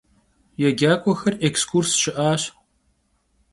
Yêcak'uexer ekskurs şı'aş.